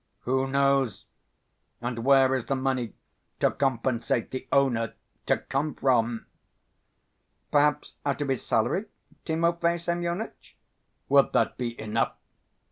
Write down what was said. "Who knows? And where is the money to compensate the owner to come from?" "Perhaps out of his salary, Timofey Semyonitch?" "Would that be enough?"